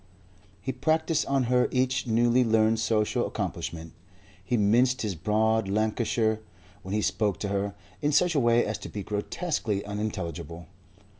He practised on her each newly learned social accomplishment. He minced his broad Lancashire, when he spoke to her, in such a way as to be grotesquely unintelligible.